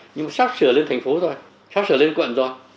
nhưng mà sắp sửa lên thành phố rồi sắp sửa lên quận rồi